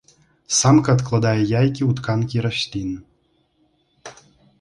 Самка адкладае яйкі ў тканкі раслін.